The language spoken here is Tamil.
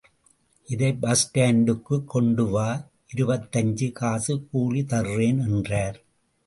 இதை பஸ் ஸ்டாண்டுக்குக் கொண்டு வா இருபத்தஞ்சு காசு கூலி தர்றேன்! என்றார்.